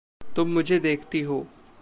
तुम मुझे देखती हो।